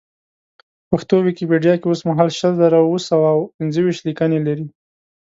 پښتو ویکیپېډیا کې اوسمهال شل زره اوه سوه او پېنځه ویشت لیکنې لري.